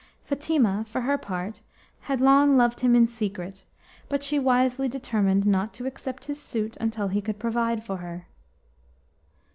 Fatima, for her part, had long loved him in secret, but she wisely determined not to accept his suit until he could provide for her.